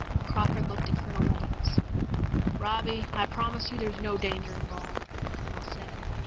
Crawford looked at Colonel Meadows. "Robbie, I promise you there's no danger involved," the Colonel said.